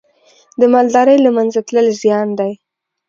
د مالدارۍ له منځه تلل زیان دی.